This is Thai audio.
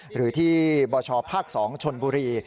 หรือที่บชภาค๒ชนบุรี